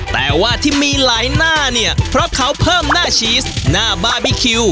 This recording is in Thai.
แต่ว่าที่มีหลายหน้าเนี่ยเพราะเขาเพิ่มหน้าชีสหน้าบาร์บีคิว